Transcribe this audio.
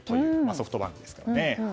ソフトバンクですからね。